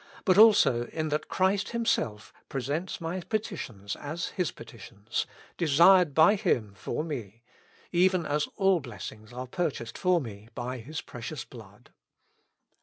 but also, in that Christ Himself presents my petitions as His petitions, desired by Him for me, even as all blessings are purchased for me by His precious blood.